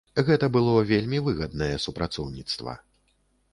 Гэта было вельмі выгаднае супрацоўніцтва.